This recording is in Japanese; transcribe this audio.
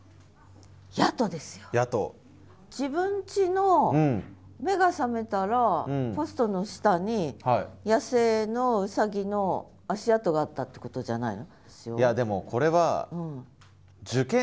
自分ちの目が覚めたらポストの下に野生のうさぎの足跡があったってことじゃないの？